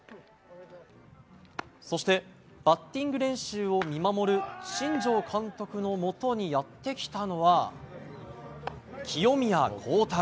そしてバッティング練習を見守る新庄監督のもとにやってきたのは清宮。